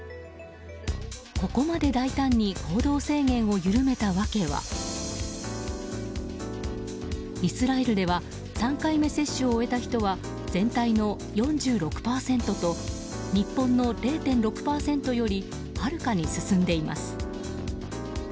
ここまで大胆に行動制限を緩めたわけはイスラエルでは３回目接種を終えた人は全体の４６％と日本の０．６％よりはるかに進んでいます。